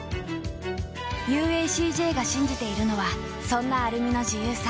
ＵＡＣＪ が信じているのはそんなアルミの自由さ。